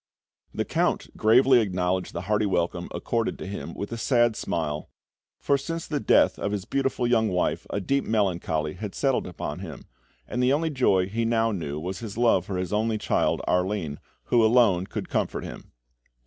The Count gravely acknowledged the hearty welcome accorded to him with a sad smile, for since the death of his beautiful young wife a deep melancholy had settled upon him, and the only joy he now knew was his love for his only child, Arline, who alone could comfort him.